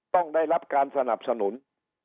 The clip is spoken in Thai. ต้องได้รับการสนับสนุน